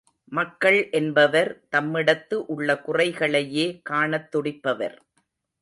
மக்கள் என்பவர் தம்மிடத்து உள்ள குறைகளையே காணத் துடிப்பவர்.